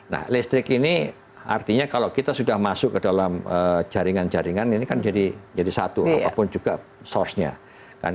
nah listrik ini artinya kalau kita sudah masuk ke dalam jaringan jaringan ini kan jadi satu apapun juga source nya